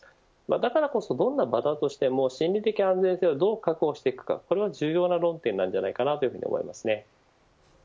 だからこそ、どんな場だとしても心理的安全性をどう確保していくか、これは重要な論点なんじゃないかと思いますね。